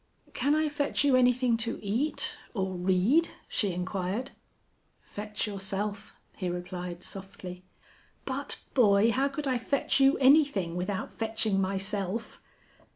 "Can I fetch you anything to eat or read?" she inquired. "Fetch yourself," he replied, softly. "But, boy, how could I fetch you anything without fetching myself?"